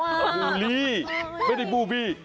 อ้าวหูลี่ไม่ได้บูบี่